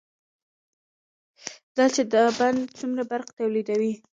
دا چې دا بند څومره برق تولیدوي،